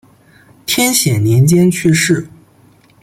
天显年间去世。